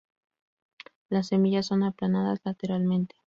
Las semillas son aplanadas lateralmente.